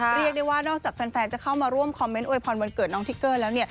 เรียกได้ว่านอกจากแฟนจะเข้ามาร่วมคอมเมนต์โวยพรวันเกิดน้องทิกเกอร์แล้ว